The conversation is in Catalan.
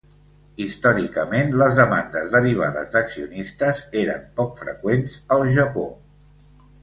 Històricament, les demandes derivades d'accionistes eren poc freqüents al Japó.